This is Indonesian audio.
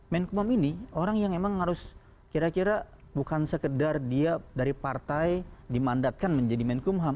menko ham ini orang yang emang harus kira kira bukan sekedar dia dari partai dimandatkan menjadi menko ham